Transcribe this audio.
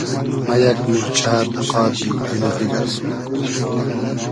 مۂ یئگ مورچۂ دۂ قادی پیل بیگئردوم